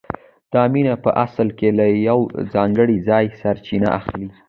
دا مینه په اصل کې له یو ځانګړي ځایه سرچینه اخلي